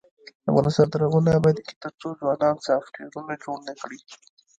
افغانستان تر هغو نه ابادیږي، ترڅو ځوانان سافټویرونه جوړ نکړي.